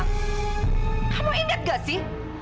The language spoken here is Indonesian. kamu inget gak sih